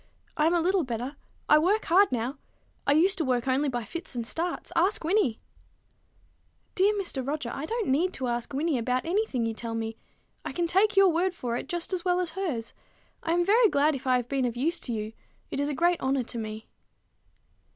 I am a little better. I work hard now. I used to work only by fits and starts. Ask Wynnie." "Dear Mr. Roger, I don't need to ask Wynnie about any thing you tell me. I can take your word for it just as well as hers. I am very glad if I have been of any use to you. It is a great honor to me."